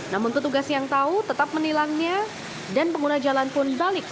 namun petugas yang tahu tetap menilangnya dan pengguna jalan pun balik